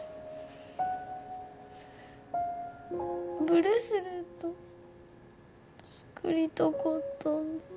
ブレスレット作りたかったんだ。